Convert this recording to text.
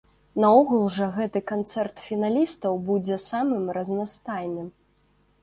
Наогул жа гэты канцэрт фіналістаў будзе самым разнастайным.